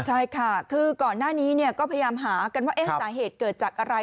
ใช่ค่ะคือก่อนหน้านี้ก็พยายามหากันว่าสาเหตุเกิดจากอะไร